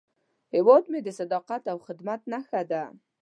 هیواد مې د صداقت او خدمت نښه ده